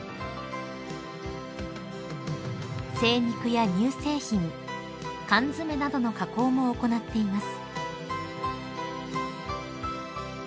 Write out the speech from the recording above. ［精肉や乳製品缶詰などの加工も行っています］